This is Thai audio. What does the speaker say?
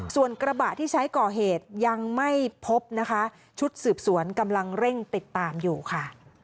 ส่วนกระบะที่ใช้ก่อเหตุยังไม่พบนะคะชุดสืบสวนกำลังเร่งติดตามอยู่ค่ะ